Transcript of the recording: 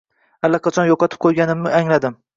Allaqachon yo‘qotib qo‘yganimni angladim.